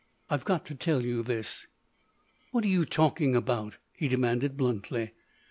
I've got to tell you this!" "What are you talking about?" he demanded bluntly.